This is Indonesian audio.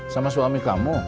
sama suami kamu